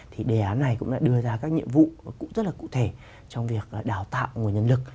thì đề án này cũng đã đưa ra các nhiệm vụ cũng rất là cụ thể trong việc đào tạo nguồn nhân lực